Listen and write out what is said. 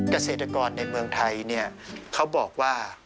เกษตรกรในเมืองไทยเขาบอกว่า